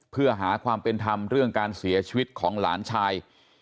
เพื่อหาความเป็นธรรมเรื่องการเสียชีวิตของหลานชาย